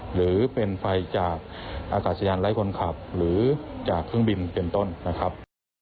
หรือเป็นไฟจากอากาศยานไร้คนขับหรือจากเครื่องบินเป็นต้นนะครับ